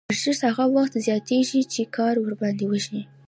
ارزښت هغه وخت زیاتېږي چې کار ورباندې وشي